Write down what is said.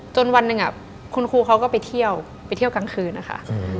จนวันหนึ่งคุณครูเขาก็ไปเที่ยวกลางคืนค่ะ